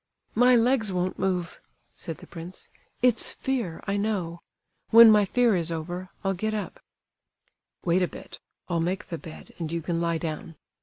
"My legs won't move," said the prince; "it's fear, I know. When my fear is over, I'll get up—" "Wait a bit—I'll make the bed, and you can lie down.